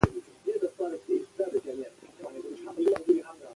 په قلاره قلاره راشه